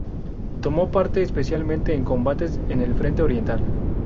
Tomó parte especialmente en combates en el Frente Oriental.